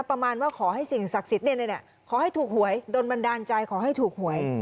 ประมาณว่าขอให้สิ่งศักดิ์สิทธิ์ขอให้ถูกหวยโดนบันดาลใจขอให้ถูกหวย